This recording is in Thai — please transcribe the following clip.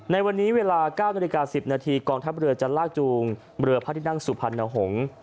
ในวันนี้เวลา๙นาฬิกา๑๐นาทีกองทัพเรือจะลากจูงเรือพระที่นั่งสุพรรณหงษ์